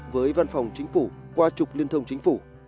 với văn phòng chính phủ qua trục liên thông chính phủ